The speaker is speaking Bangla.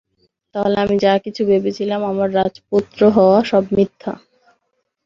তাহলে আমি যা কিছু ভেবেছিলাম, আমার রাজপুত্র হওয়া, সব মিথ্যা।